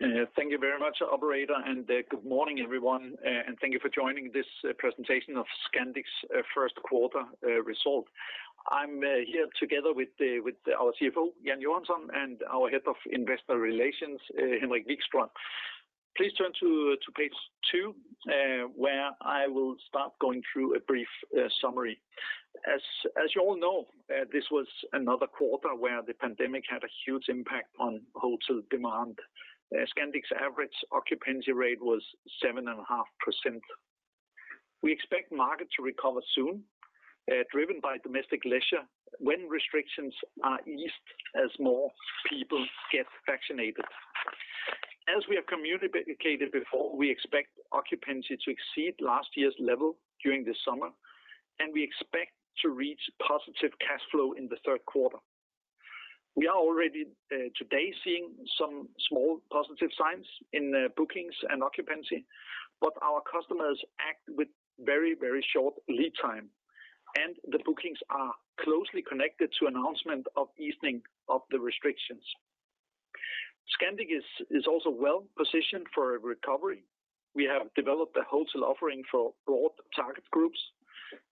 Thank you very much, operator, good morning, everyone. Thank you for joining this presentation of Scandic's first quarter result. I'm here together with our Chief Financial Officer, Jan Johansson, and our head of investor relations, Henrik Vikström. Please turn to page two, where I will start going through a brief summary. As you all know, this was another quarter where the pandemic had a huge impact on hotel demand. Scandic's average occupancy rate was 7.5%. We expect market to recover soon, driven by domestic leisure, when restrictions are eased as more people get vaccinated. As we have communicated before, we expect occupancy to exceed last year's level during the summer, and we expect to reach positive cash flow in the third quarter. We are already today seeing some small positive signs in bookings and occupancy, but our customers act with very short lead time, and the bookings are closely connected to announcement of easing of the restrictions. Scandic is also well-positioned for a recovery. We have developed a hotel offering for broad target groups,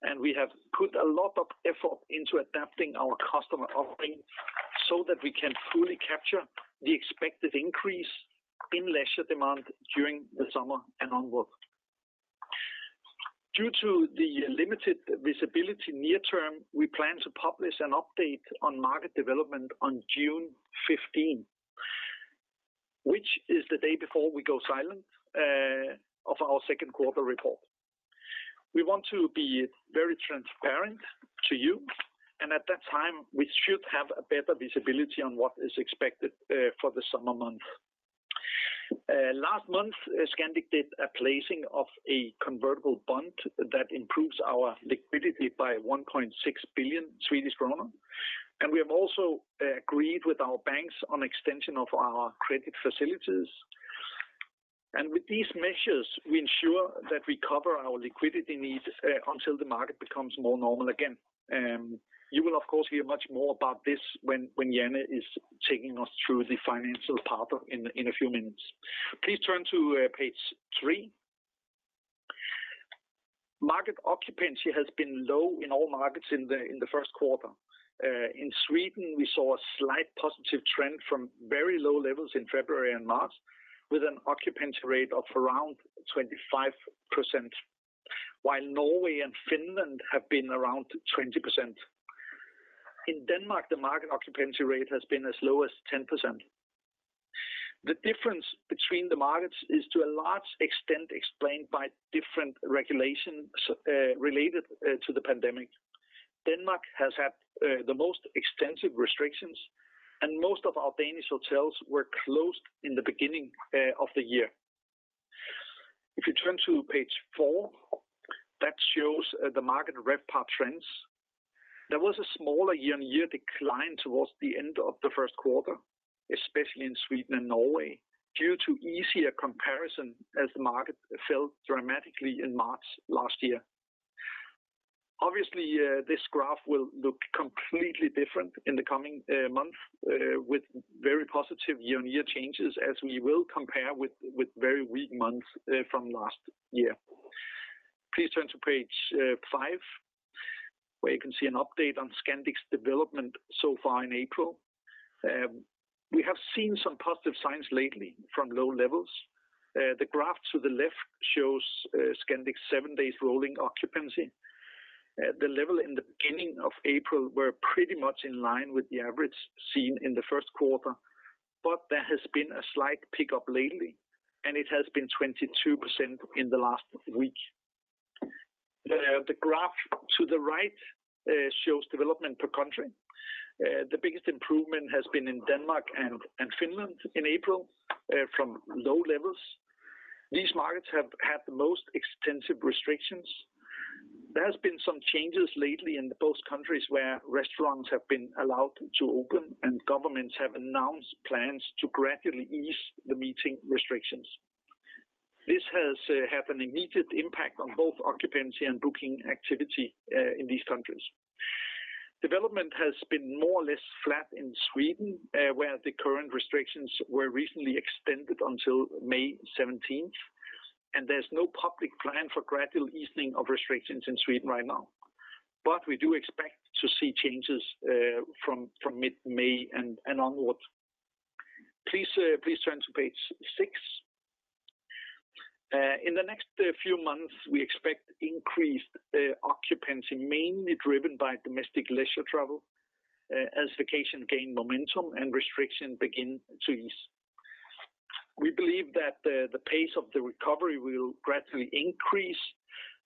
and we have put a lot of effort into adapting our customer offering so that we can fully capture the expected increase in leisure demand during the summer and onward. Due to the limited visibility near term, we plan to publish an update on market development on June 15, which is the day before we go silent of our second quarter report. We want to be very transparent to you, and at that time, we should have a better visibility on what is expected for the summer months. Last month, Scandic did a placing of a convertible bond that improves our liquidity by 1.6 billion Swedish kronor. We have also agreed with our banks on extension of our credit facilities. With these measures, we ensure that we cover our liquidity needs until the market becomes more normal again. You will, of course, hear much more about this when Jan is taking us through the financial part in a few minutes. Please turn to page three. Market occupancy has been low in all markets in the first quarter. In Sweden, we saw a slight positive trend from very low levels in February and March, with an an occupancy rate of around 25%, while Norway and Finland have been around 20%. In Denmark, the market occupancy rate has been as low as 10%. The difference between the markets is to a large extent explained by different regulations related to the pandemic. Denmark has had the most extensive restrictions, and most of our Danish hotels were closed in the beginning of the year. If you turn to page four, that shows the market revenue per available room trends. There was a smaller year-on-year decline towards the end of the first quarter, especially in Sweden and Norway, due to easier comparison as the market fell dramatically in March last year. Obviously, this graph will look completely different in the coming month, with very positive year-on-year changes as we will compare with very weak months from last year. Please turn to page five, where you can see an update on Scandic's development so far in April. We have seen some positive signs lately from low levels. The graph to the left shows Scandic's seven-days rolling occupancy. The level in the beginning of April were pretty much in line with the average seen in the first quarter, but there has been a slight pickup lately, and it has been 22% in the last week. The graph to the right shows development per country. The biggest improvement has been in Denmark and Finland in April, from low levels. These markets have had the most extensive restrictions. There has been some changes lately in both countries, where restaurants have been allowed to open, and governments have announced plans to gradually ease the meeting restrictions. This has had an immediate impact on both occupancy and booking activity in these countries. Development has been more or less flat in Sweden, where the current restrictions were recently extended until May 17th, and there's no public plan for gradual easing of restrictions in Sweden right now. We do expect to see changes from mid-May and onward. Please turn to page six. In the next few months, we expect increased occupancy, mainly driven by domestic leisure travel, as vacation gain momentum and restriction begin to ease. We believe that the pace of the recovery will gradually increase,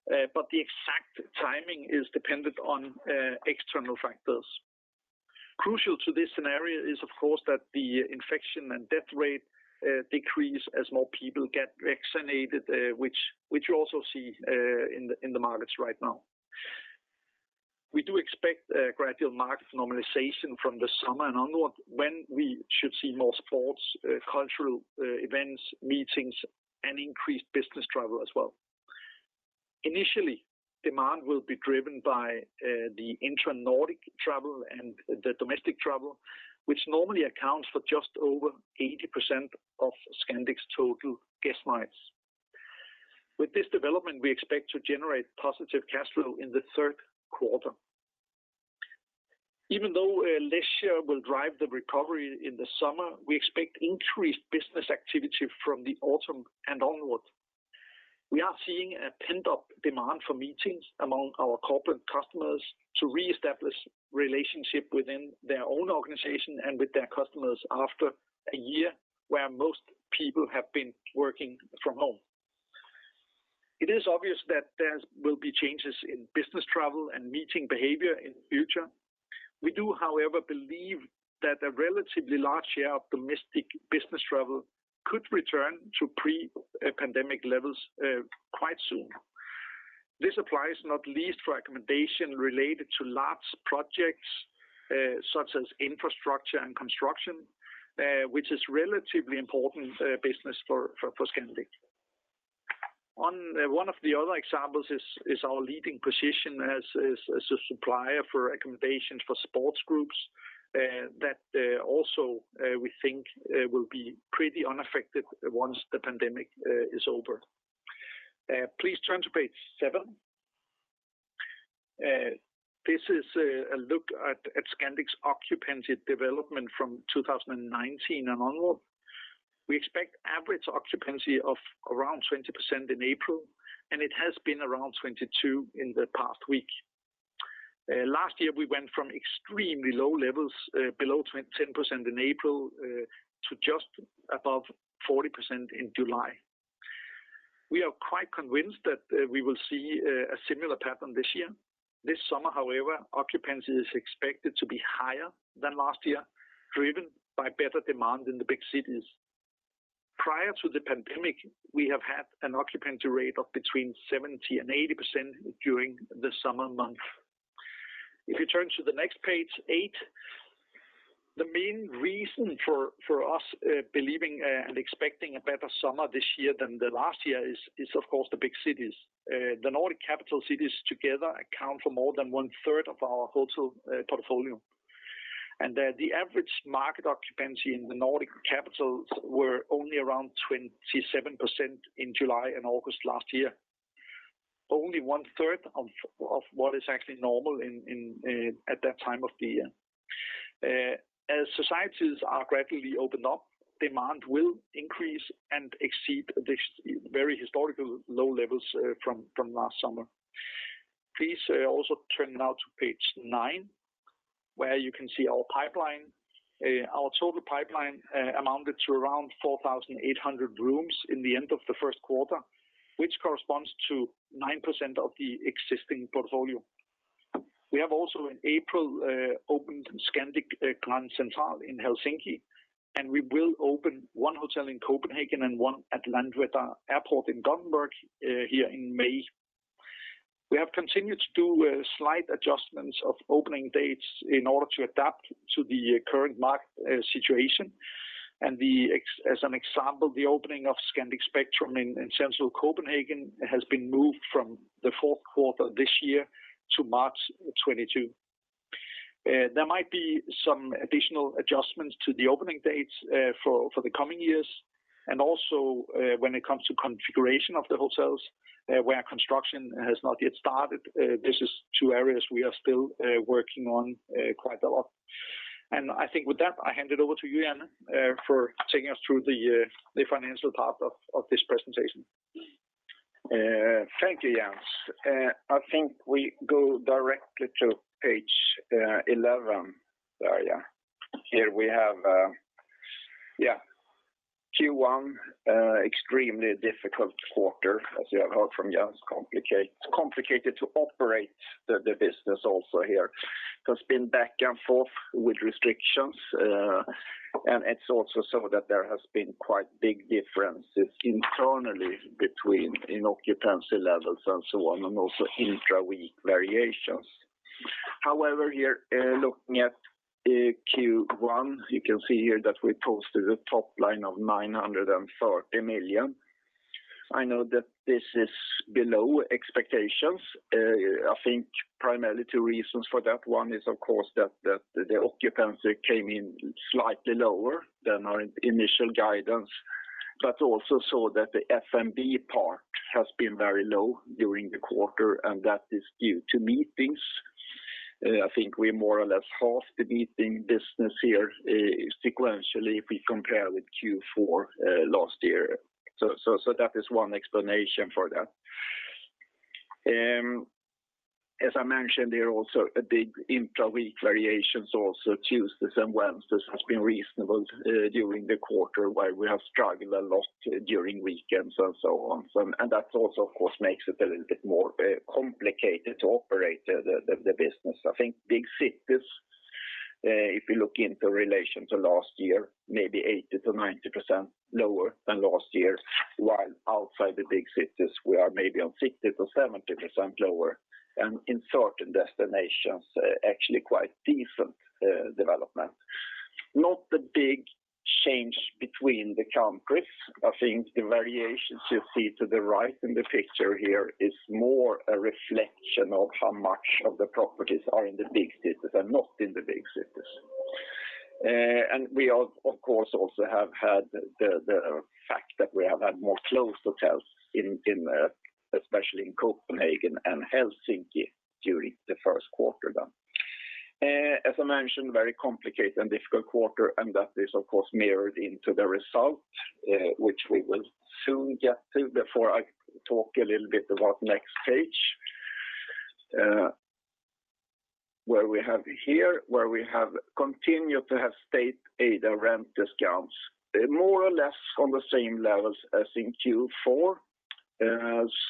the exact timing is dependent on external factors. Crucial to this scenario is, of course, that the infection and death rate decrease as more people get vaccinated, which you also see in the markets right now. We do expect a gradual market normalization from the summer and onward, when we should see more sports, cultural events, meetings, and increased business travel as well. Initially, demand will be driven by the intra-Nordic travel and the domestic travel, which normally accounts for just over 80% of Scandic's total guest nights. With this development, we expect to generate positive cash flow in the third quarter. Even though leisure will drive the recovery in the summer, we expect increased business activity from the autumn and onwards. We are seeing a pent-up demand for meetings among our corporate customers to reestablish relationship within their own organization and with their customers after a year where most people have been working from home. It is obvious that there will be changes in business travel and meeting behavior in the future. We do, however, believe that a relatively large share of domestic business travel could return to pre-pandemic levels quite soon. This applies not least for accommodation related to large projects such as infrastructure and construction, which is relatively important business for Scandic. One of the other examples is our leading position as a supplier for accommodations for sports groups that also, we think, will be pretty unaffected once the pandemic is over. Please turn to page seven. This is a look at Scandic's occupancy development from 2019 and onwards. We expect average occupancy of around 20% in April, and it has been around 22% in the past week. Last year, we went from extremely low levels below 10% in April to just above 40% in July. We are quite convinced that we will see a similar pattern this year. This summer, however, occupancy is expected to be higher than last year, driven by better demand in the big cities. Prior to the pandemic, we have had an occupancy rate of between 70% and 80% during the summer months. If you turn to the next page, eight. The main reason for us believing and expecting a better summer this year than last year is, of course, the big cities. The Nordic capital cities together account for more than one-third of our hotel portfolio. The average market occupancy in the Nordic capitals were only around 27% in July and August last year. Only 1/3 of what is actually normal at that time of the year. As societies are gradually opened up, demand will increase and exceed these very historical low levels from last summer. Please also turn now to page nine, where you can see our pipeline. Our total pipeline amounted to around 4,800 rooms in the end of the first quarter, which corresponds to 9% of the existing portfolio. We have also, in April, opened Scandic Grand Central in Helsinki, and we will open one hotel in Copenhagen and one at Landvetter Airport in Gothenburg here in May. We have continued to do slight adjustments of opening dates in order to adapt to the current market situation. As an example, the opening of Scandic Spectrum in central Copenhagen has been moved from the fourth quarter this year to March 2022. There might be some additional adjustments to the opening dates for the coming years, and also when it comes to configuration of the hotels where construction has not yet started. This is two areas we are still working on quite a lot. I think with that, I hand it over to you, Jan Johansson, for taking us through the financial part of this presentation. Thank you, Jens. I think we go directly to page 11. Here we have Q1. Extremely difficult quarter, as you have heard from Jens. Complicated to operate the business also here. There's been back and forth with restrictions. It's also so that there has been quite big differences internally between occupancy levels and so on, and also intra-week variations. However, here, looking at Q1, you can see here that we posted a top line of 930 million. I know that this is below expectations. I think primarily two reasons for that. One is, of course, that the occupancy came in slightly lower than our initial guidance, also so that the F&B part has been very low during the quarter, that is due to meetings. I think we're more or less half the meeting business here sequentially if we compare with Q4 last year. That is one explanation for that. As I mentioned, there are also big intra-week variations also. Tuesdays and Wednesdays has been reasonable during the quarter while we have struggled a lot during weekends and so on. That also, of course, makes it a little bit more complicated to operate the business. I think big cities, if you look into relation to last year, maybe 80%-90% lower than last year. While outside the big cities, we are maybe on 60%-70% lower. In certain destinations, actually quite decent development. Not a big change between the countries. I think the variations you see to the right in the picture here is more a reflection of how much of the properties are in the big cities and not in the big cities. We of course also have had the fact that we have had more closed hotels in Europe, especially in Copenhagen and Helsinki during the first quarter then. As I mentioned, very complicated and difficult quarter, that is, of course, mirrored into the result, which we will soon get to before I talk a little bit about next page. Where we have here continued to have state aid and rent discounts, more or less on the same levels as in Q4.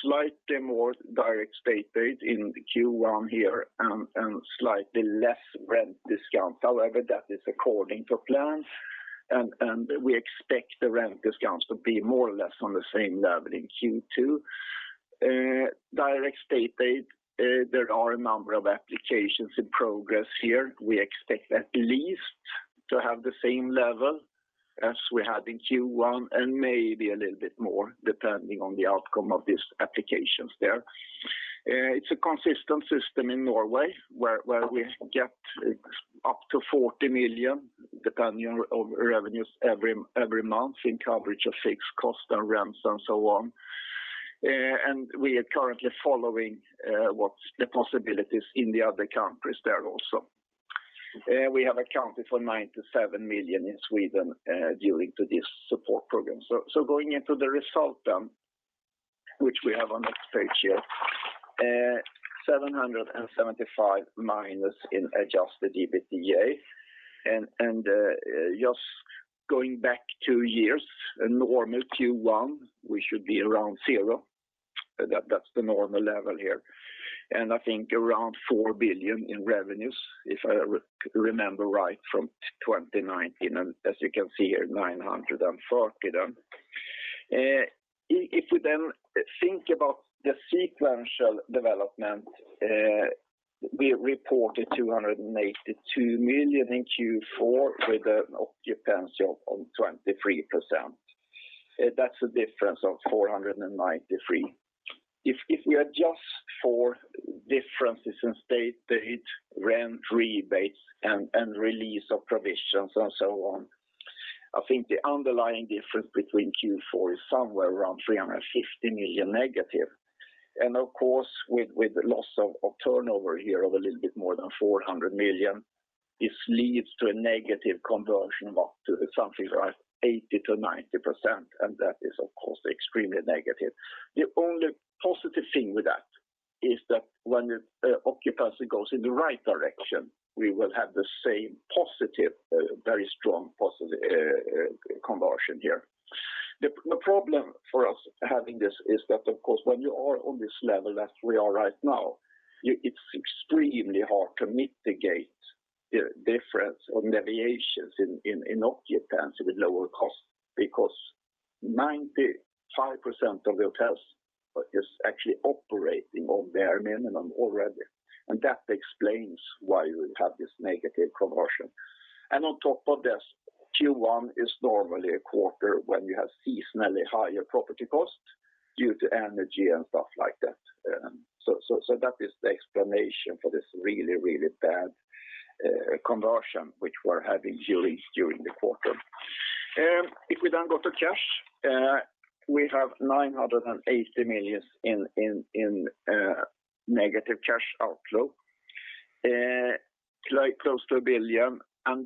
Slightly more direct state aid in the Q1 here, slightly less rent discount. However, that is according to plan. We expect the rent discounts to be more or less on the same level in Q2. Direct state aid, there are a number of applications in progress here. We expect at least to have the same level as we had in Q1 and maybe a little bit more depending on the outcome of these applications there. It's a consistent system in Norway where we get up to 40 million depending on revenues every month in coverage of fixed cost and rents and so on. We are currently following what the possibilities in the other countries there also. We have accounted for 97 million in Sweden due to this support program. Going into the result then, which we have on this page here, SEK -775 in adjusted EBITDA. Just going back two years, a normal Q1, we should be around 0. That's the normal level here. I think around 4 billion in revenues, if I remember right from 2019, and as you can see here, 930 million then. We think about the sequential development, we reported 282 million in Q4 with an occupancy of 23%. That's a difference of 493 million. We adjust for differences in state aid, rent rebates and release of provisions and so on, I think the underlying difference between Q4 is somewhere around 350 million negative. Of course, with the loss of turnover here of a little bit more than 400 million, this leads to a negative conversion of up to something like 80%-90%. That is, of course, extremely negative. The only positive thing with that is that when the occupancy goes in the right direction, we will have the same positive, very strong positive conversion here. The problem for us having this is that, of course, when you are on this level, as we are right now, it's extremely hard to mitigate difference or deviations in occupancy with lower cost because 95% of hotels is actually operating on their minimum already. That explains why you have this negative conversion. On top of this, Q1 is normally a quarter when you have seasonally higher property costs due to energy and stuff like that. That is the explanation for this really, really bad conversion, which we're having during the quarter. If we go to cash, we have 980 million in negative cash outflow, close to 1 billion.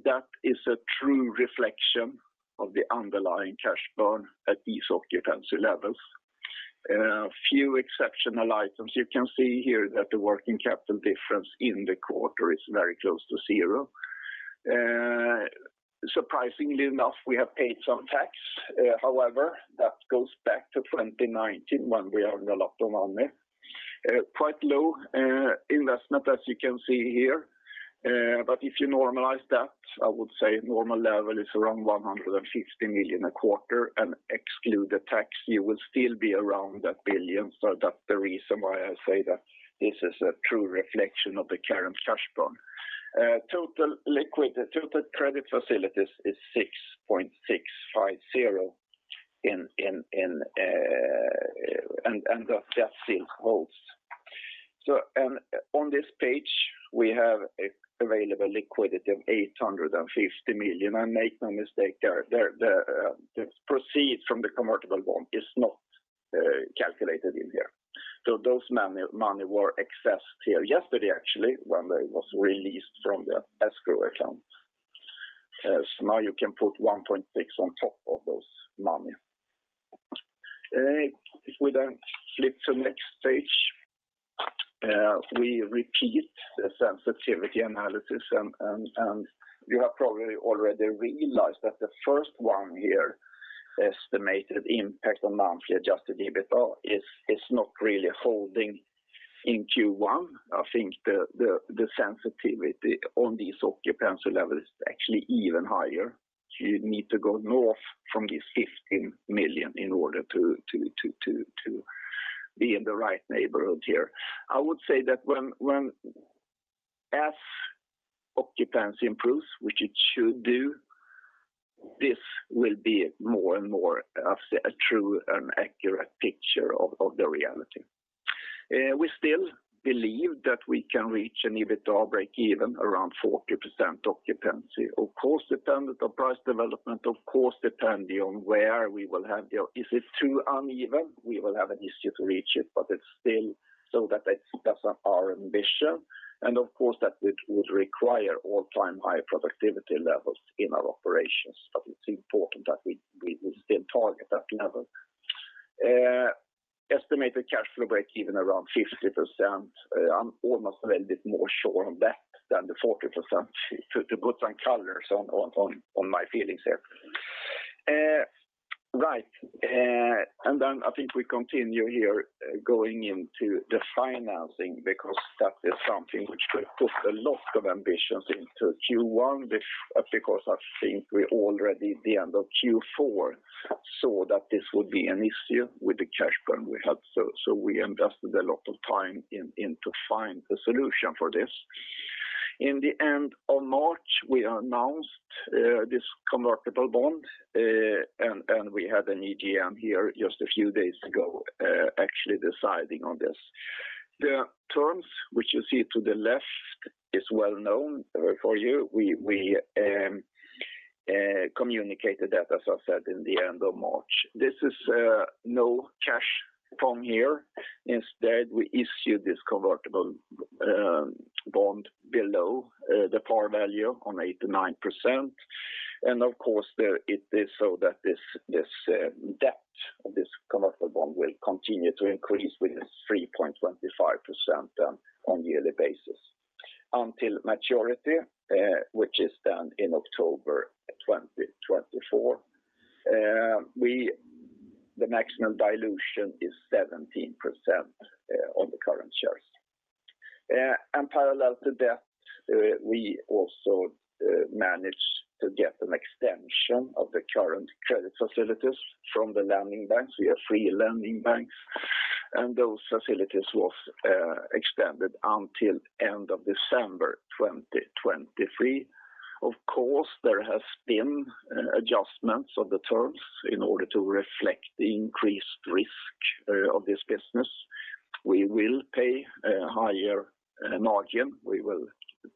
That is a true reflection of the underlying cash burn at these occupancy levels. A few exceptional items. You can see here that the working capital difference in the quarter is very close to zero. Surprisingly enough, we have paid some tax. That goes back to 2019 when we earned a lot of money. Quite low investment as you can see here. If you normalize that, I would say normal level is around 150 million a quarter and exclude the tax, you will still be around 1 billion. That's the reason why I say that this is a true reflection of the current cash burn. Total credit facilities is 6.650 billion, that still holds. On this page, we have available liquidity of 850 million. Make no mistake there. The proceeds from the convertible bond is not calculated in here. Those money were accessed here yesterday, actually, when they was released from the escrow account. Now you can put 1.6 billion on top of those money. If we then flip to next page, we repeat the sensitivity analysis, and you have probably already realized that the first one here, estimated impact on monthly adjusted EBITDA is not really holding in Q1. I think the sensitivity on these occupancy levels is actually even higher. You need to go north from this 15 million in order to be in the right neighborhood here. I would say that as occupancy improves, which it should do, this will be more and more a true and accurate picture of the reality. We still believe that we can reach an EBITDA breakeven around 40% occupancy. Of course, dependent on price development. Of course, depending on where we will have, if it's too uneven, we will have an issue to reach it's still so that that's our ambition, of course that it would require all-time high productivity levels in our operations. It's important that we still target that level. Estimated cash flow breakeven around 50%. I'm almost a little bit more sure on that than the 40%, to put some colors on my feelings here. Right. I think we continue here going into the financing, because that is something which could put a lot of ambitions into Q1, because I think we already, at the end of Q4, saw that this would be an issue with the cash burn we had. We invested a lot of time into find the solution for this. In the end of March, we announced this convertible bond, and we had an extraordinary general meeting here just a few days ago, actually deciding on this. The terms which you see to the left is well-known for you. We communicated that, as I said, in the end of March. This is no cash from here. Instead, we issued this convertible bond below the par value on 89%. Of course, it is so that this debt of this convertible bond will continue to increase with 3.25% on yearly basis until maturity, which is in October 2024. The maximum dilution is 17% on the current shares. Parallel to that, we also managed to get an extension of the current credit facilities from the lending banks. We have three lending banks, and those facilities was extended until end of December 2023. Of course, there has been adjustments of the terms in order to reflect the increased risk of this business. We will pay a higher margin. We will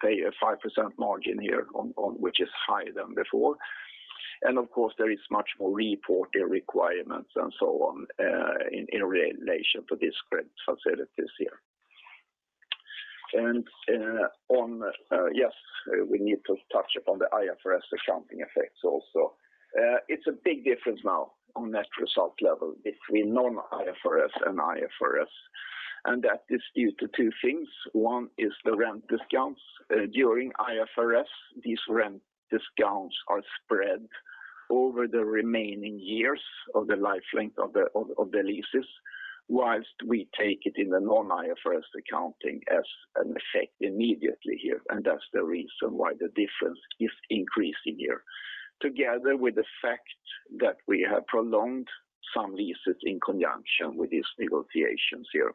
pay a 5% margin here, which is higher than before. Of course, there is much more reporting requirements and so on in relation to these credit facilities here. Yes, we need to touch upon the IFRS accounting effects also. It's a big difference now on net result level between non-IFRS and IFRS, and that is due to two things. One is the rent discounts. During IFRS, these rent discounts are spread over the remaining years of the life length of the leases, while we take it in the non-IFRS accounting as an effect immediately here. That's the reason why the difference is increasing here, together with the fact that we have prolonged some leases in conjunction with these negotiations here.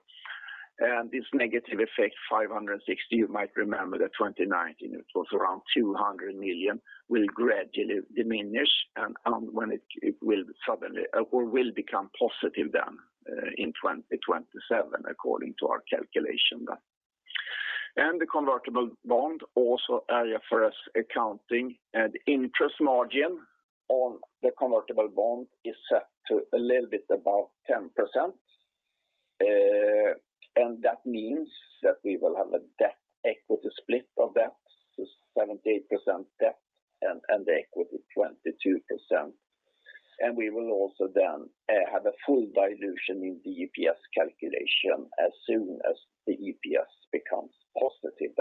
This negative effect, 560 million, you might remember that 2019, it was around 200 million, will gradually diminish, it will become positive in 2027, according to our calculation. The convertible bond also IFRS accounting, interest margin on the convertible bond is set to a little bit above 10%. That means that we will have a debt-equity split of that, so 78% debt and equity 22%. We will also have a full dilution in the EPS calculation as soon as the EPS becomes positive.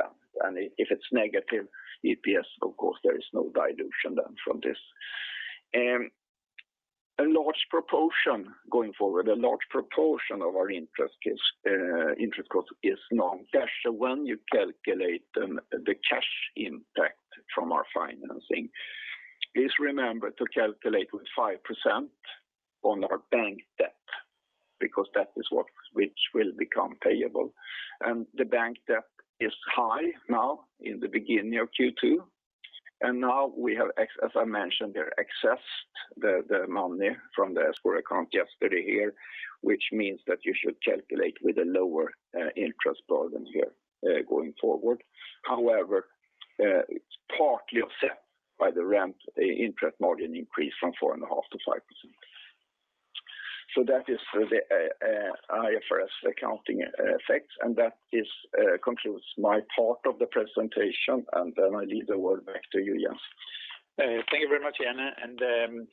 If it's negative EPS, of course, there is no dilution from this. Going forward, a large proportion of our interest cost is non-cash. When you calculate the cash impact from our financing, please remember to calculate with 5% on our bank debt, because that is what will become payable. The bank debt is high now in the beginning of Q2. Now we have, as I mentioned, accessed the money from the escrow account yesterday here, which means that you should calculate with a lower interest burden here going forward. However, it's partly offset by the ramp interest margin increase from 4.5% to 5%. That is the IFRS accounting effect, and that concludes my part of the presentation, and then I leave the word back to you, Jens. Thank you very much, Jan.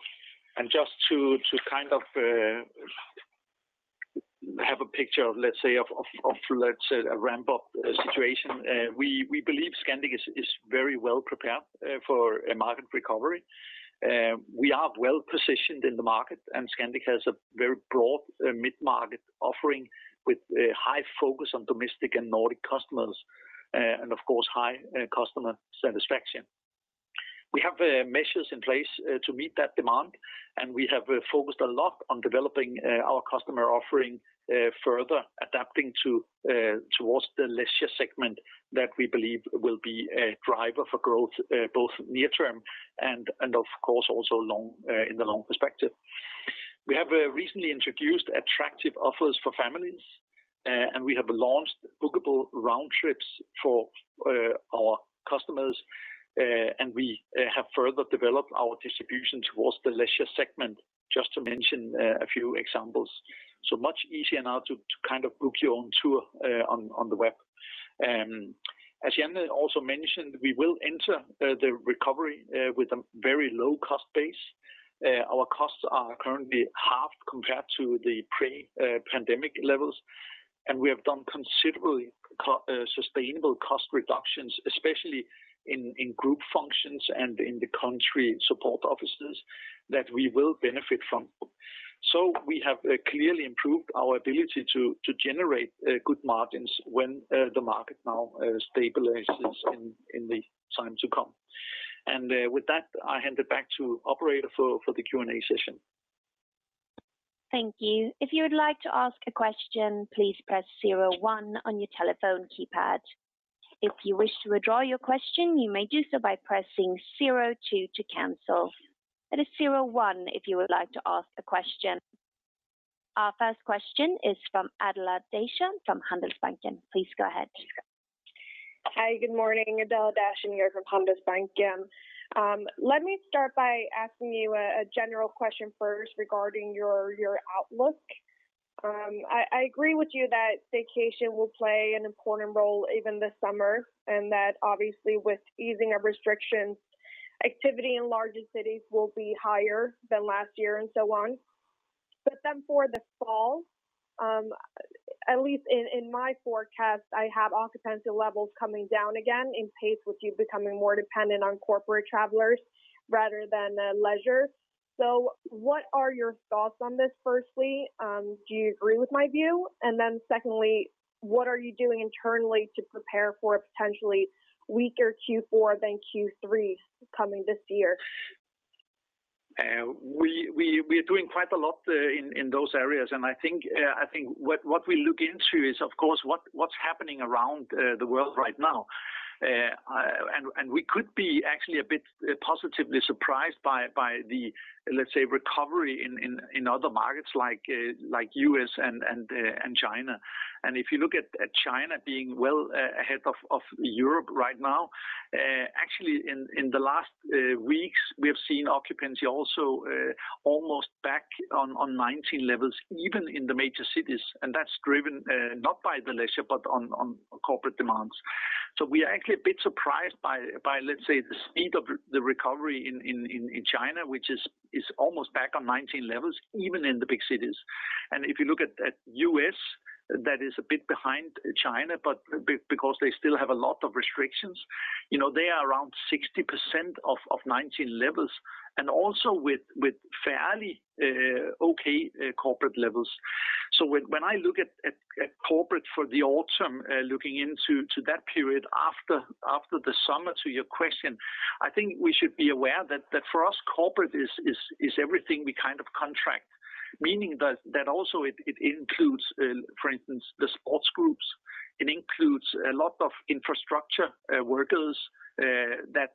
Just to have a picture of, let's say, a ramp-up situation. We believe Scandic is very well prepared for a market recovery. We are well-positioned in the market, Scandic has a very broad mid-market offering with a high focus on domestic and Nordic customers, and of course, high customer satisfaction. We have measures in place to meet that demand, we have focused a lot on developing our customer offering, further adapting towards the leisure segment that we believe will be a driver for growth, both near-term and, of course, also in the long perspective. We have recently introduced attractive offers for families, we have launched bookable round trips for our customers, we have further developed our distribution towards the leisure segment, just to mention a few examples. Much easier now to book your own tour on the web. As Jan also mentioned, we will enter the recovery with a very low cost base. Our costs are currently half compared to the pre-pandemic levels, and we have done considerably sustainable cost reductions, especially in group functions and in the country support offices, that we will benefit from. We have clearly improved our ability to generate good margins when the market now stabilizes in the time to come. With that, I hand it back to operator for the Q&A session. Thank you. If you would like to ask a question, please press zero one on your telephone keypad. If you wish to withdraw your question, you may do so by pressing zero two to cancel. That is zero one if you would like to ask a question. Our first question is from Adela Dashian from Handelsbanken. Please go ahead. Hi. Good morning. Adela Dashian here from Handelsbanken. Let me start by asking you a general question first regarding your outlook. I agree with you that vacation will play an important role even this summer, and that obviously with easing of restrictions, activity in larger cities will be higher than last year and so on. For the fall, at least in my forecast, I have occupancy levels coming down again in pace with you becoming more dependent on corporate travelers rather than leisure. What are your thoughts on this, firstly? Do you agree with my view? Secondly, what are you doing internally to prepare for a potentially weaker Q4 than Q3 coming this year? We're doing quite a lot in those areas, I think what we look into is, of course, what's happening around the world right now. We could be actually a bit positively surprised by the, let's say, recovery in other markets like U.S. and China. If you look at China being well ahead of Europe right now, actually in the last weeks, we have seen occupancy also almost back on 19 levels, even in the major cities. That's driven not by the leisure, but on corporate demands. We are actually a bit surprised by, let's say, the speed of the recovery in China, which is almost back on 19 levels, even in the big cities. If you look at U.S., that is a bit behind China because they still have a lot of restrictions. They are around 60% of 2019 levels, and also with fairly okay corporate levels. When I look at corporate for the autumn, looking into that period after the summer, to your question, I think we should be aware that for us, corporate is everything we kind of contract. Meaning that also it includes, for instance, the sports groups. It includes a lot of infrastructure workers that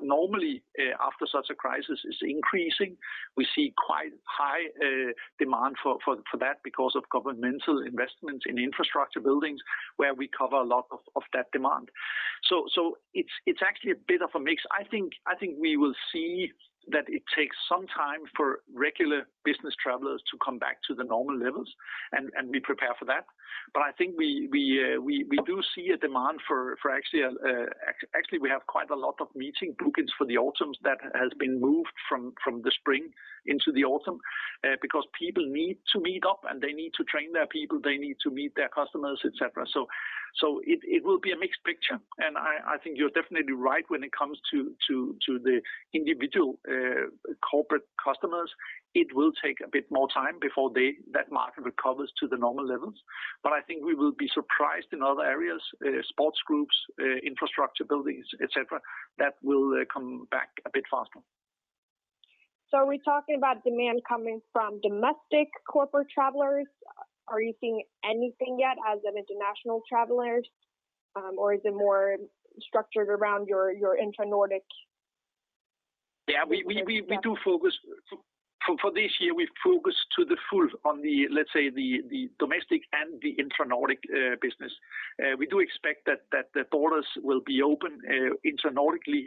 normally after such a crisis is increasing. We see quite high demand for that because of governmental investments in infrastructure buildings, where we cover a lot of that demand. It's actually a bit of a mix. I think we will see that it takes some time for regular business travelers to come back to the normal levels, and we prepare for that. I think we do see a demand for actually, we have quite a lot of meeting bookings for the autumn that has been moved from the spring into the autumn, because people need to meet up, and they need to train their people. They need to meet their customers, et cetera. It will be a mixed picture, and I think you're definitely right when it comes to the individual corporate customers. It will take a bit more time before that market recovers to the normal levels. I think we will be surprised in other areas, sports groups, infrastructure buildings, et cetera, that will come back a bit faster. Are we talking about demand coming from domestic corporate travelers? Are you seeing anything yet as in international travelers? Is it more structured around your intra-Nordic? Yeah. For this year, we focus to the full on the, let's say, the domestic and the intra-Nordic business. We do expect that the borders will be open intra-Nordically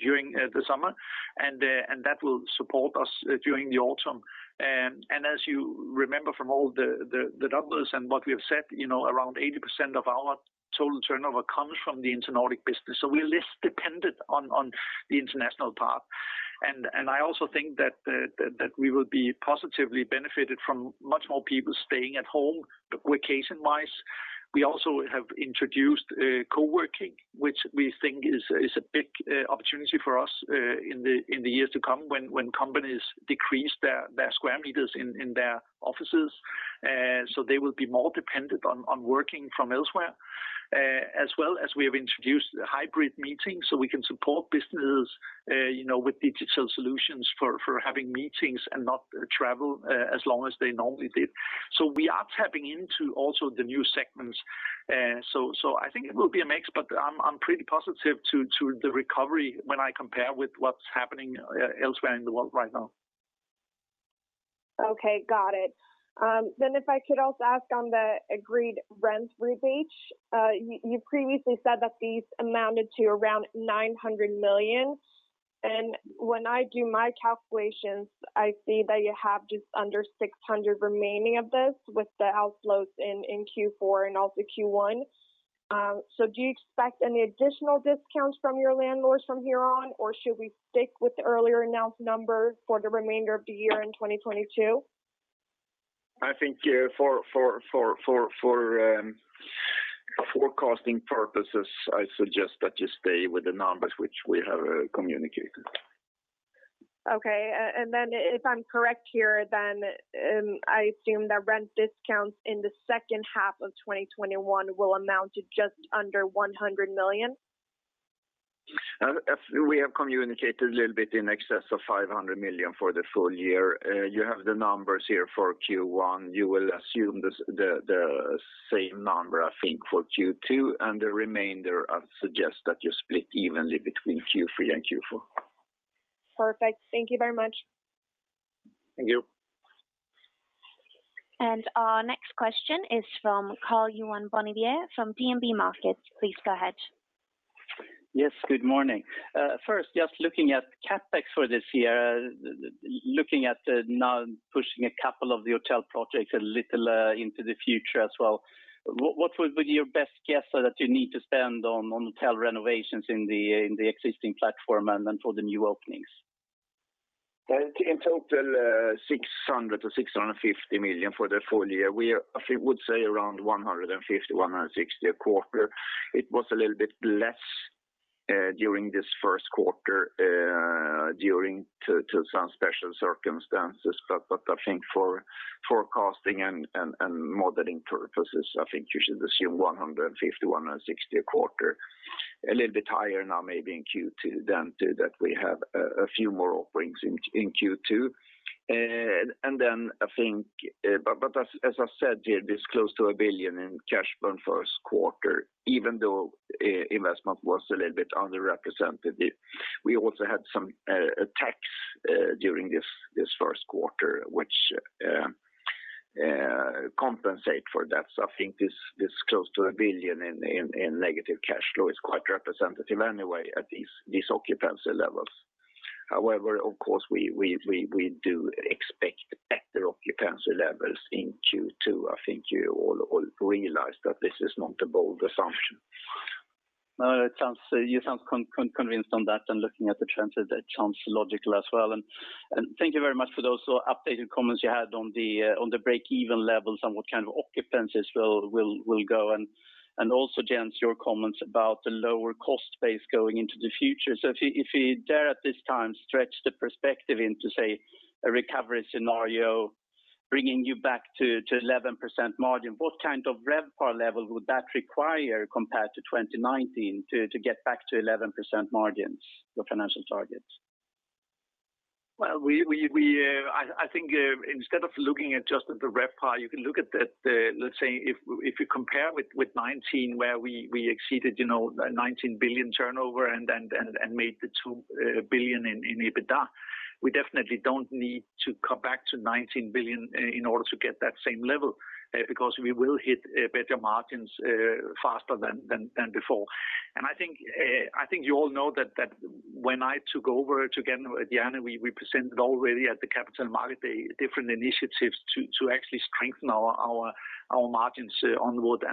during the summer, and that will support us during the autumn. As you remember from all the numbers and what we have said, around 80% of our total turnover comes from the intra-Nordic business. We're less dependent on the international part. I also think that we will be positively benefited from much more people staying at home workcation-wise. We also have introduced co-working, which we think is a big opportunity for us in the years to come when companies decrease their square meters in their offices. They will be more dependent on working from elsewhere. As well as, we have introduced hybrid meetings so we can support businesses with digital solutions for having meetings and not travel as long as they normally did. We are tapping into also the new segments. I think it will be a mix, but I am pretty positive to the recovery when I compare with what is happening elsewhere in the world right now. Okay. Got it. If I could also ask on the agreed rent rebate, you previously said that these amounted to around 900 million. When I do my calculations, I see that you have just under 600 remaining of this with the outflows in Q4 and also Q1. Do you expect any additional discounts from your landlords from here on, or should we stick with the earlier announced number for the remainder of the year in 2022? I think for forecasting purposes, I suggest that you stay with the numbers which we have communicated. Okay. If I'm correct here, then I assume that rent discounts in the second half of 2021 will amount to just under 100 million? We have communicated a little bit in excess of 500 million for the full year. You have the numbers here for Q1. You will assume the same number, I think, for Q2, and the remainder, I suggest that you split evenly between Q3 and Q4. Perfect. Thank you very much. Thank you. Our next question is from Karl-Johan Bonnevier from DNB Markets. Please go ahead. Yes, good morning. First, just looking at CapEx for this year, looking at now pushing a couple of the hotel projects a little into the future as well. What would be your best guess that you need to spend on hotel renovations in the existing platform and then for the new openings? In total, 600 million-650 million for the full year. We would say around 150 million, 160 million a quarter. It was a little bit less during this first quarter during some special circumstances. I think for forecasting and modeling purposes, I think you should assume 150 million, 160 million a quarter. A little bit higher now maybe in Q2 than that. We have a few more openings in Q2. As I said, this close to 1 billion in cash burn first quarter, even though investment was a little bit underrepresented. We also had some tax during this first quarter, which compensate for that. I think this close to 1 billion in negative cash flow is quite representative anyway at these occupancy levels. Of course, we do expect better occupancy levels in Q2. I think you all realize that this is not a bold assumption. You sound convinced on that, looking at the trends, that sounds logical as well. Thank you very much for those updated comments you had on the break-even levels and what kind of occupancies will go, also, Jens, your comments about the lower cost base going into the future. If you dare at this time stretch the perspective into, say, a recovery scenario bringing you back to 11% margin, what kind of RevPAR level would that require compared to 2019 to get back to 11% margins, your financial targets? Well, I think instead of looking at just the RevPAR, you can look at, let's say, if you compare with 2019 where we exceeded 19 billion turnover and made 2 billion in EBITDA, we definitely don't need to come back to 19 billion in order to get that same level, because we will hit better margins faster than before. I think you all know that when I took over together with Jan, we presented already at the Capital Markets Day different initiatives to actually strengthen our margins onward.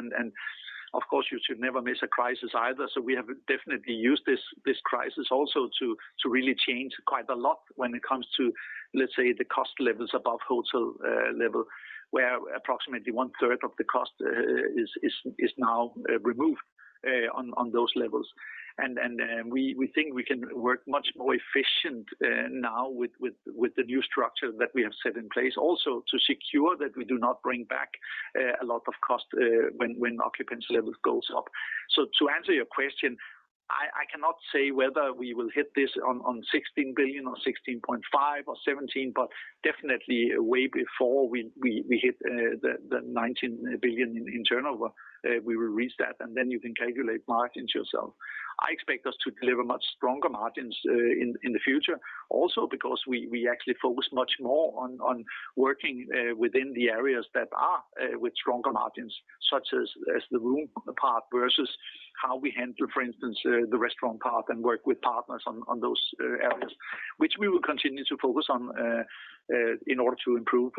Of course, you should never miss a crisis either, we have definitely used this crisis also to really change quite a lot when it comes to, let's say, the cost levels above hotel level, where approximately one-third of the cost is now removed on those levels. We think we can work much more efficient now with the new structure that we have set in place. To secure that we do not bring back a lot of cost when occupancy levels goes up. To answer your question, I cannot say whether we will hit this on 16 billion or 16.5 billion or 17 billion, but definitely way before we hit the 19 billion in turnover, we will reach that, and then you can calculate margins yourself. I expect us to deliver much stronger margins in the future. Because we actually focus much more on working within the areas that are with stronger margins, such as the room part versus how we handle, for instance, the restaurant part and work with partners on those areas. Which we will continue to focus on in order to improve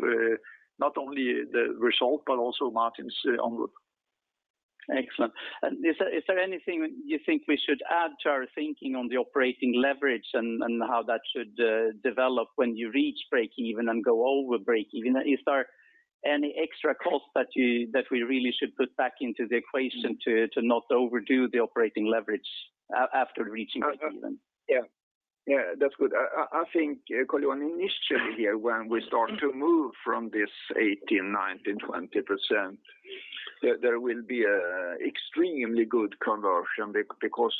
not only the result, but also margins onward. Excellent. Is there anything you think we should add to our thinking on the operating leverage and how that should develop when you reach break-even and go over break-even? Is there any extra cost that we really should put back into the equation to not overdo the operating leverage after reaching break-even? Yeah, that's good. I think, Karl-Johan, initially here, when we start to move from this 18%, 19%, 20%, there will be an extremely good conversion because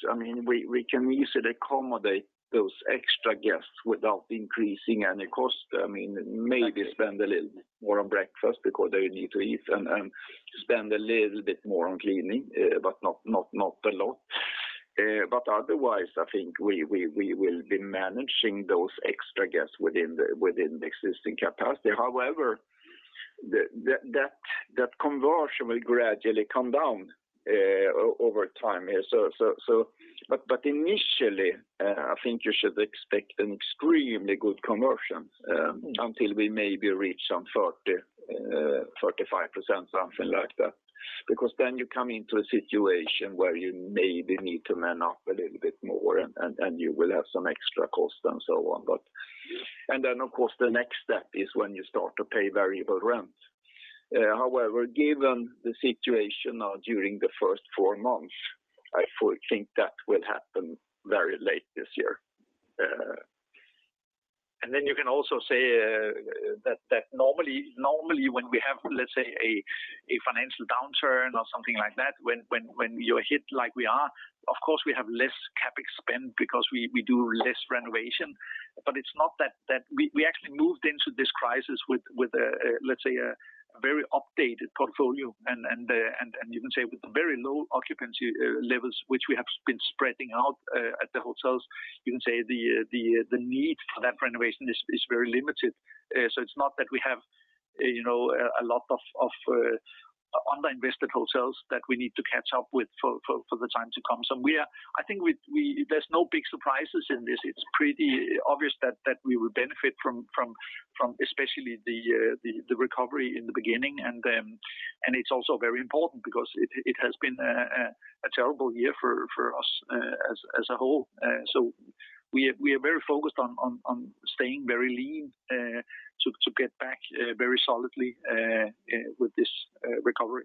we can easily accommodate those extra guests without increasing any cost. Maybe spend a little more on breakfast because they need to eat, and spend a little bit more on cleaning, but not a lot. Otherwise, I think we will be managing those extra guests within the existing capacity. However, that conversion will gradually come down over time. Initially, I think you should expect an extremely good conversion, until we maybe reach some 30%, 35%, something like that. Then you come into a situation where you maybe need to man up a little bit more, and you will have some extra cost and so on. Then, of course, the next step is when you start to pay variable rent. Given the situation now during the first four months, I think that will happen very late this year. You can also say that normally when we have, let's say, a financial downturn or something like that, when you're hit like we are, of course, we have less CapEx spend because we do less renovation. We actually moved into this crisis with a very updated portfolio, and you can say with very low occupancy levels, which we have been spreading out at the hotels. You can say the need for that renovation is very limited. It's not that we have a lot of under-invested hotels that we need to catch up with for the time to come. I think there's no big surprises in this. It's pretty obvious that we will benefit from especially the recovery in the beginning. It's also very important because it has been a terrible year for us as a whole. We are very focused on staying very lean, to get back very solidly with this recovery.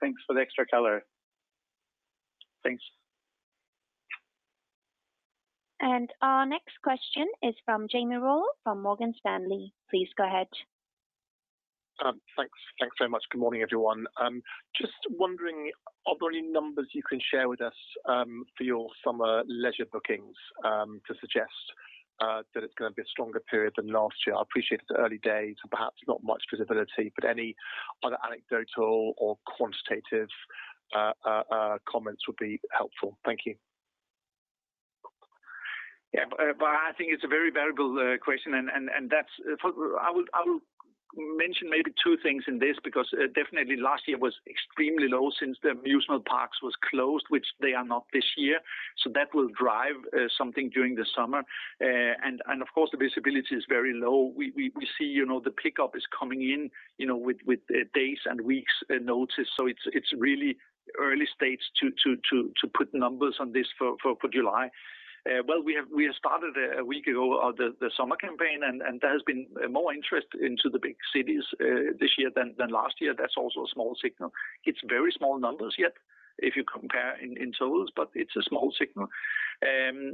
Thanks for the extra color. Thanks. Our next question is from Jamie Rollo from Morgan Stanley. Please go ahead. Thanks very much. Good morning, everyone. Just wondering, are there any numbers you can share with us for your summer leisure bookings to suggest that it's going to be a stronger period than last year? I appreciate it's early days, so perhaps not much visibility, but any other anecdotal or quantitative comments would be helpful. Thank you. I think it's a very variable question, and I will mention maybe two things in this, because definitely last year was extremely low since the amusement parks was closed, which they are not this year. That will drive something during the summer. Of course, the visibility is very low. We see the pickup is coming in with days and weeks notice. It's really early stages to put numbers on this for July. Well, we have started, a week ago, the summer campaign, and there has been more interest into the big cities this year than last year. That's also a small signal. It's very small numbers yet if you compare in totals, but it's a small signal.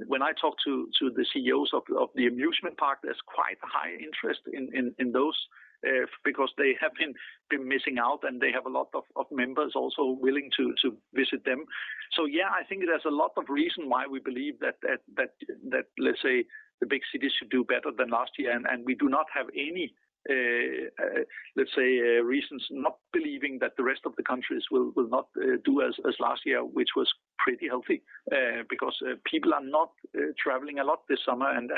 When I talk to the CEOs of the amusement park, there's quite a high interest in those, because they have been missing out, and they have a lot of members also willing to visit them. Yeah, I think there's a lot of reason why we believe that, let's say, the big cities should do better than last year, and we do not have any reasons not believing that the rest of the countries will not do as last year, which was pretty healthy. People are not traveling a lot this summer, and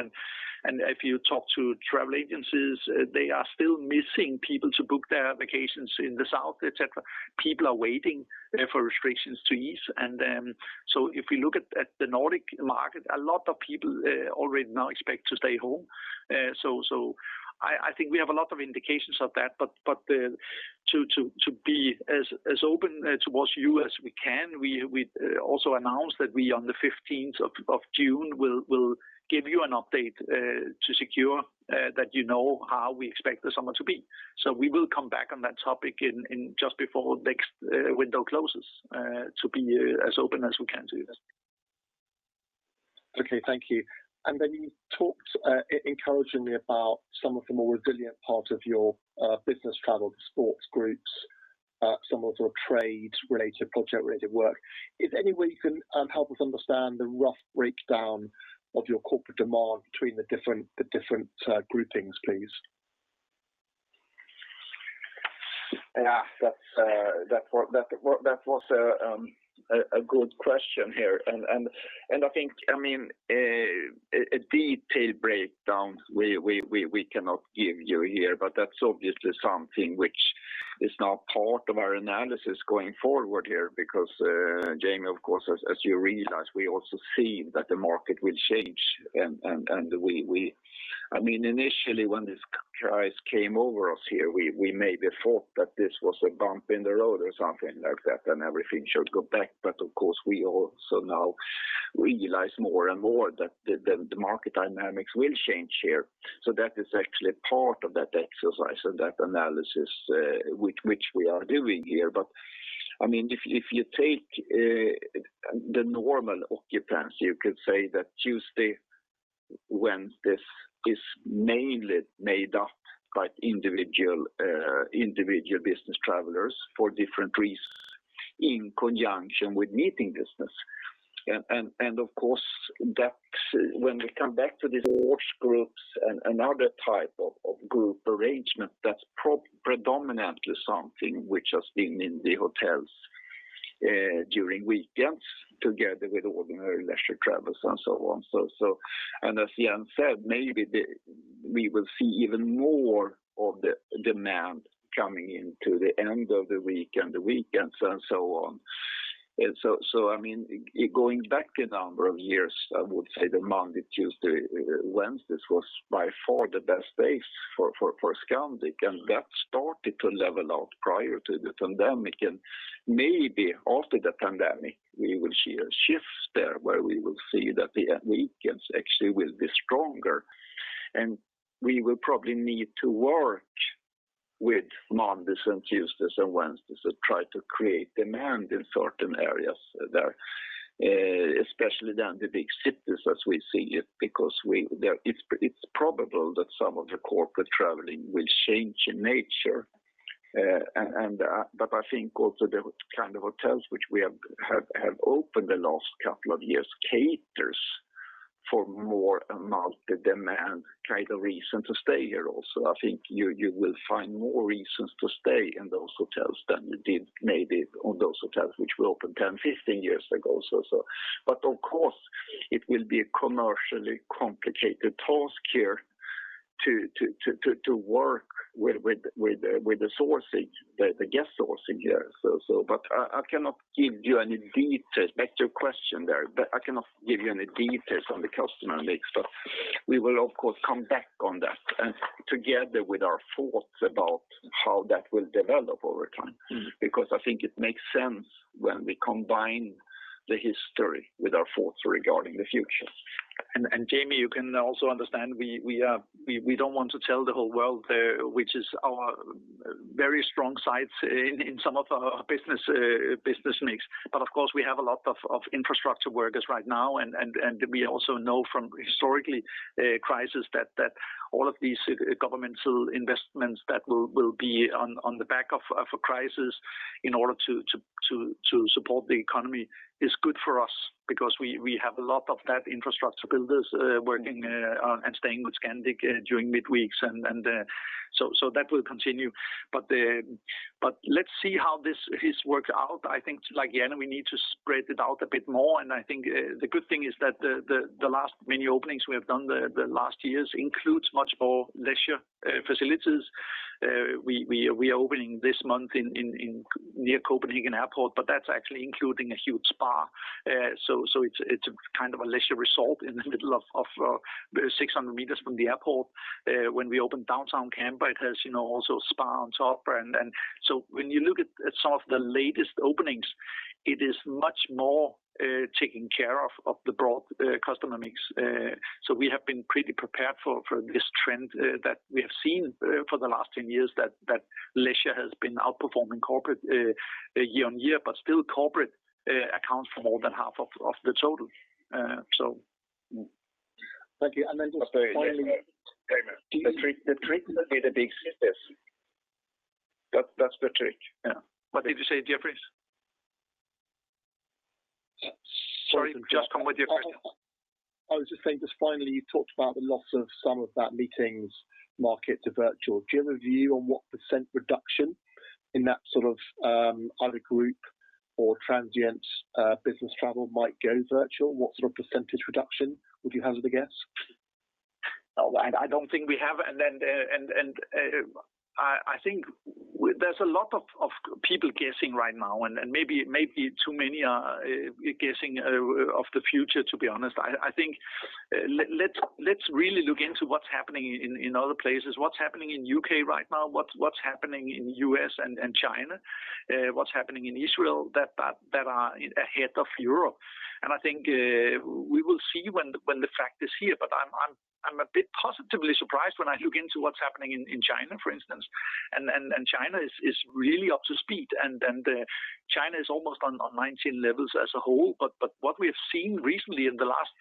if you talk to travel agencies, they are still missing people to book their vacations in the south, et cetera. People are waiting for restrictions to ease. If you look at the Nordic market, a lot of people already now expect to stay home. I think we have a lot of indications of that, but to be as open towards you as we can, we also announced that we, on the 15th of June, will give you an update to secure that you know how we expect the summer to be. We will come back on that topic just before next window closes, to be as open as we can to you. Okay. Thank you. You talked encouragingly about some of the more resilient parts of your business travel, the sports groups, some of the trade-related, project-related work. Is there any way you can help us understand the rough breakdown of your corporate demand between the different groupings, please? Yeah. That was a good question here. I think a detailed breakdown, we cannot give you here. That's obviously something which is now part of our analysis going forward here, because, Jamie, of course, as you realize, we also see that the market will change. Initially, when this crisis came over us here, we maybe thought that this was a bump in the road or something like that, and everything should go back. Of course, we also now realize more and more that the market dynamics will change here. That is actually part of that exercise and that analysis which we are doing here. If you take the normal occupancy, you could say that Tuesday, when this is mainly made up by individual business travelers for different reasons in conjunction with meeting business. Of course, when we come back to these large groups and other type of group arrangement, that's predominantly something which has been in the hotels during weekends together with ordinary leisure travelers and so on. As Jan said, maybe we will see even more of the demand coming in to the end of the week and the weekends and so on. Going back a number of years, I would say that Monday, Tuesday, Wednesday was by far the best days for Scandic, that started to level out prior to the pandemic. Maybe after the pandemic, we will see a shift there, where we will see that the weekends actually will be stronger, and we will probably need to work with Mondays and Tuesdays and Wednesdays to try to create demand in certain areas there, especially down the big cities as we see it, because it's probable that some of the corporate traveling will change in nature. I think also the kind of hotels which we have opened the last couple of years caters for more multi-demand kind of reason to stay here also. I think you will find more reasons to stay in those hotels than you did maybe on those hotels which we opened 10, 15 years ago. Of course, it will be a commercially complicated task here to work with the guest sourcing here. I cannot give you any details. Back to your question there, but I cannot give you any details on the customer mix. We will, of course, come back on that and together with our thoughts about how that will develop over time. I think it makes sense when we combine the history with our thoughts regarding the future. Jamie, you can also understand, we don't want to tell the whole world there, which is our very strong sides in some of our business mix. Of course, we have a lot of infrastructure workers right now, and we also know from historical crises that all of these governmental investments that will be on the back of a crisis in order to support the economy is good for us because we have a lot of that infrastructure builders working and staying with Scandic during midweeks, that will continue. Let's see how this works out. I think, like Jan, we need to spread it out a bit more, and I think the good thing is that the last many openings we have done the last years includes much more leisure facilities. We are opening this month near Copenhagen Airport, but that's actually including a huge spa. It's a kind of a leisure resort in the middle of 600 m from the airport. When we open downtown Copenhagen, it has also spa on top. When you look at some of the latest openings, it is much more taking care of the broad customer mix. We have been pretty prepared for this trend that we have seen for the last 10 years, that leisure has been outperforming corporate year-on-year, but still corporate accounts for more than half of the total. Thank you. The trick will be the big cities. That's the trick. What did you say, Jamie? Sorry, just come with your question. I was just saying, just finally, you talked about the loss of some of that meetings market to virtual. Do you have a view on what percent reduction in that either group or transient business travel might go virtual? What sort of percentage reduction would you hazard a guess? I don't think we have, and I think there's a lot of people guessing right now, and maybe too many are guessing of the future, to be honest. I think let's really look into what's happening in other places, what's happening in U.K. right now, what's happening in U.S. and China, what's happening in Israel, that are ahead of Europe. I think we will see when the fact is here. I'm a bit positively surprised when I look into what's happening in China, for instance. China is really up to speed, and China is almost on 2019 levels as a whole. What we have seen recently in the last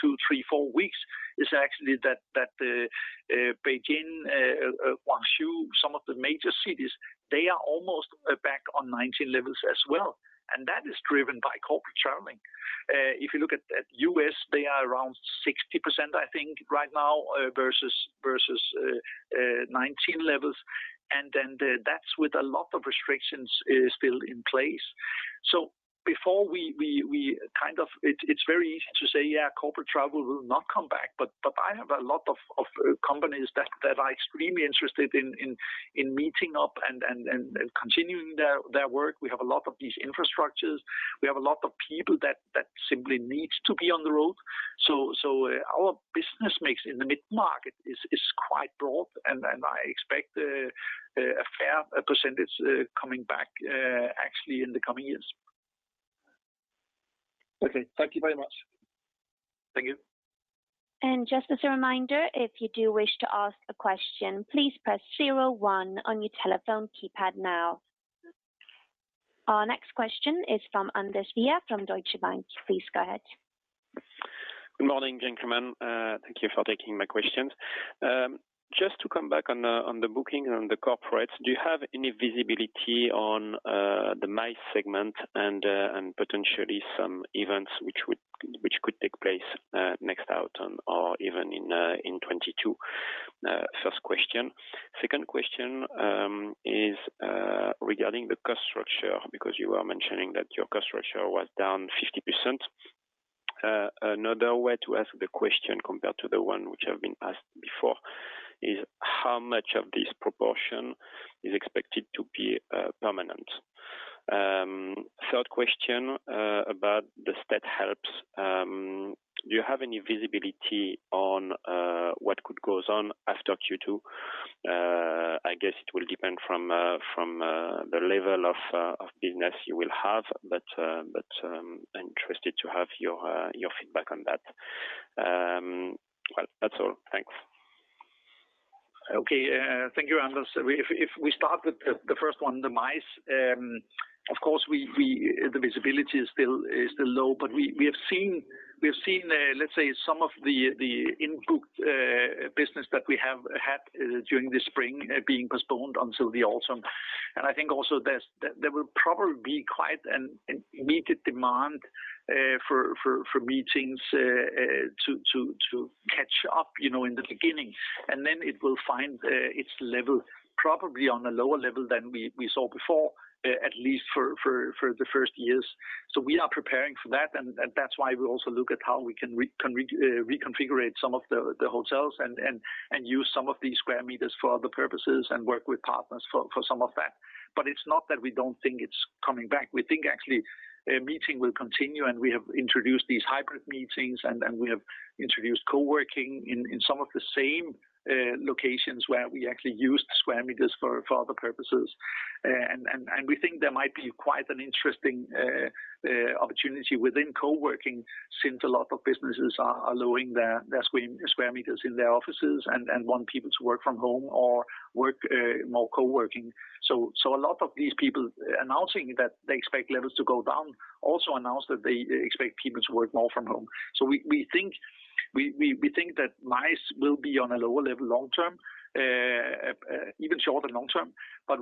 two, three, four weeks is actually that Beijing, Hangzhou, some of the major cities, they are almost back on 2019 levels as well. That is driven by corporate traveling. If you look at U.S., they are around 60%, I think, right now versus 2019 levels. That's with a lot of restrictions still in place. It's very easy to say, yeah, corporate travel will not come back. I have a lot of companies that are extremely interested in meeting up and continuing their work. We have a lot of these infrastructures. We have a lot of people that simply need to be on the road. Our business mix in the mid-market is quite broad, and I expect a fair percentage coming back actually in the coming years. Okay, thank you very much. Thank you. Just as a reminder, if you do wish to ask a question, please press zero one on your telephone keypad now. Our next question is from André Juillard from Deutsche Bank. Please go ahead. Good morning, gentlemen. Thank you for taking my questions. Just to come back on the booking and the corporates, do you have any visibility on the MICE segment and potentially some events which could take place next autumn or even in 2022? First question. Second question is regarding the cost structure, because you were mentioning that your cost structure was down 50%. Another way to ask the question, compared to the one which has been asked before, is how much of this proportion is expected to be permanent? Third question about the state aid. Do you have any visibility on what could go on after Q2? I guess it will depend from the level of business you will have, but interested to have your feedback on that. Well, that's all. Thanks. Okay. Thank you, André. If we start with the first one, the meetings, incentives, conferences, and exhibitions. We have seen, let's say, some of the in-booked business that we have had during the spring being postponed until the autumn. I think also there will probably be quite an immediate demand for meetings to catch up in the beginning, and then it will find its level probably on a lower level than we saw before, at least for the first years. We are preparing for that, and that's why we also look at how we can reconfigurate some of the hotels and use some of these square meters for other purposes and work with partners for some of that. It's not that we don't think it's coming back. We think actually a meeting will continue, and we have introduced these hybrid meetings, and we have introduced co-working in some of the same locations where we actually used square meters for other purposes. We think there might be quite an interesting opportunity within co-working, since a lot of businesses are lowering their square meters in their offices and want people to work from home or work more co-working. A lot of these people announcing that they expect levels to go down also announced that they expect people to work more from home. We think that MICE will be on a lower level long term, even short and long term. That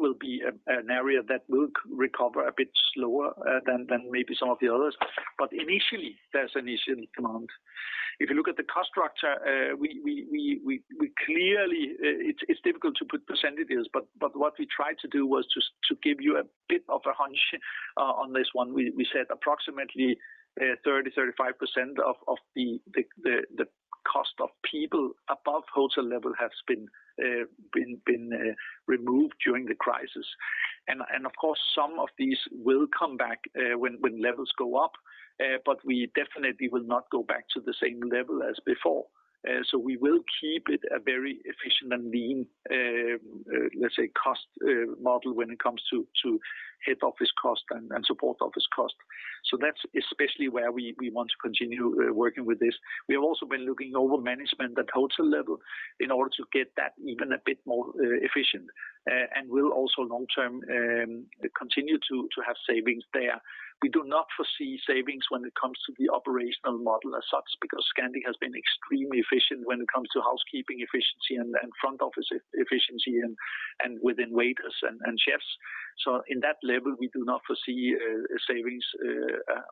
will be an area that will recover a bit slower than maybe some of the others. But initially, there's an initial demand. If you look at the cost structure, it's difficult to put percentages, but what we tried to do was to give you a bit of a hunch on this one. We said approximately 30%, 35% of the cost of people above hotel level has been removed during the crisis. Of course, some of these will come back when levels go up, but we definitely will not go back to the same level as before. We will keep it a very efficient and lean, let's say, cost model when it comes to head office cost and support office cost. That's especially where we want to continue working with this. We have also been looking over management at hotel level in order to get that even a bit more efficient, and we'll also long term continue to have savings there. We do not foresee savings when it comes to the operational model as such, because Scandic has been extremely efficient when it comes to housekeeping efficiency and front office efficiency and within waiters and chefs. In that level, we do not foresee savings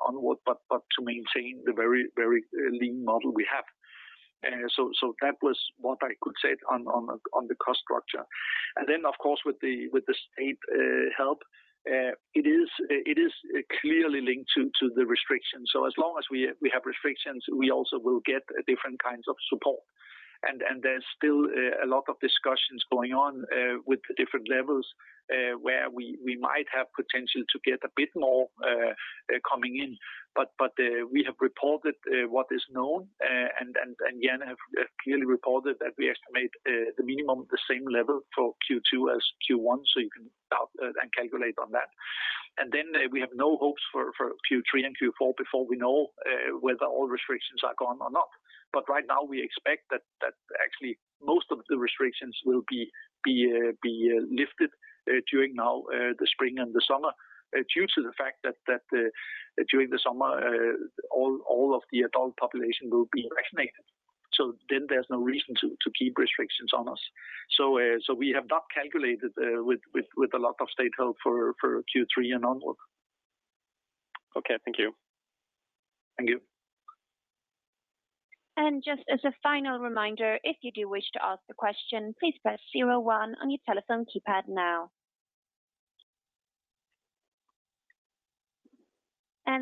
onward, but to maintain the very lean model we have. That was what I could say on the cost structure. Of course, with the state help, it is clearly linked to the restrictions. As long as we have restrictions, we also will get different kinds of support. There's still a lot of discussions going on with the different levels, where we might have potential to get a bit more coming in. We have reported what is known, and Jan have clearly reported that we estimate the minimum the same level for Q2 as Q1, so you can calculate on that. We have no hopes for Q3 and Q4 before we know whether all restrictions are gone or not. Right now, we expect that actually most of the restrictions will be lifted during now the spring and the summer, due to the fact that during the summer, all of the adult population will be vaccinated. There's no reason to keep restrictions on us. We have not calculated with a lot of state help for Q3 and onward. Okay, thank you. Thank you. Just as a final reminder, if you do wish to ask a question, please press zero one on your telephone keypad now.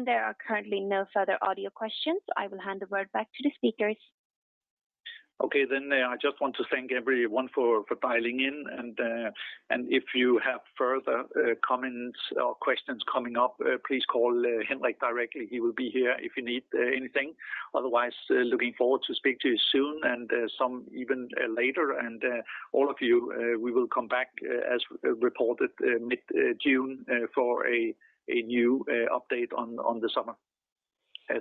There are currently no further audio questions. I will hand the word back to the speakers. Okay, I just want to thank everyone for dialing in. If you have further comments or questions coming up, please call Henrik directly. He will be here if you need anything. Otherwise, looking forward to speak to you soon and some even later. All of you, we will come back as reported mid-June for a new update on the summer.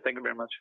Thank you very much.